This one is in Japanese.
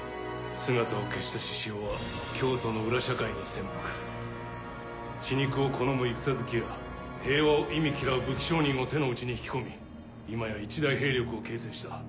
姿を消した志々雄は京都の裏社会に潜伏血肉を好む戦好きや平和を忌み嫌う武器商人を手の内に引き込み今や一大兵力を形成した。